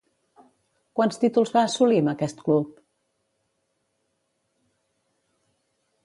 Quants títols va assolir amb aquest club?